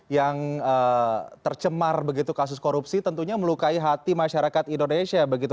yang tercemar begitu kasus korupsi tentunya melukai hati masyarakat indonesia begitu